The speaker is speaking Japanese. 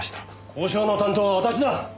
交渉の担当は私だ！